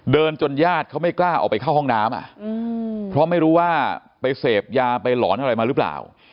จนญาติเขาไม่กล้าออกไปเข้าห้องน้ำเพราะไม่รู้ว่าไปเสพยาไปหลอนอะไรมาหรือเปล่า